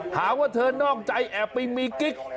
หาว่าเธอนอกใจแอบไปมีกิ๊ก